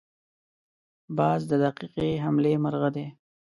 باز د دقیقې حملې مرغه دی